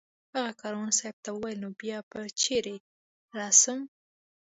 هغه کاروان صاحب ته وویل نو بیا به چېرې رسم